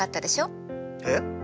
えっ？